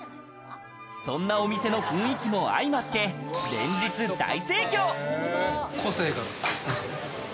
そんなお店の雰囲気も相まって、連日大盛況。